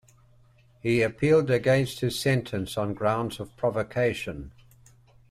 He appealed against his sentence on grounds of provocation.